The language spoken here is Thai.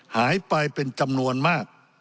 หายไปเป็นจำนวนมาก